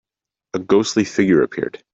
A ghostly figure appeared.